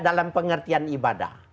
dalam pengertian ibadah